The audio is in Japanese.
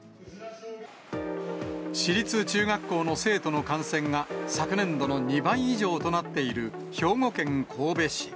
市立中学校の生徒の感染が昨年度の２倍以上となっている兵庫県神戸市。